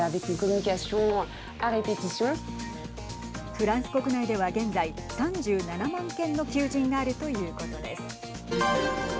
フランス国内では現在３７万件の求人があるということです。